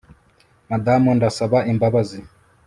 Madamu Ndasaba imbabazi